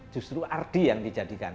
justru ardi yang dijadikan